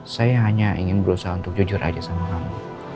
saya hanya ingin berusaha untuk jujur aja sama kamu